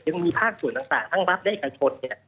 ยังมีภาคส่วนต่างทั้งรัฐและเอกชนเนี่ย